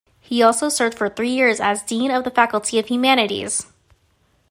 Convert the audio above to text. He also served for three years as Dean of the Faculty of Humanities.